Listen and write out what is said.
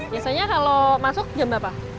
biasanya kalau masuk jam berapa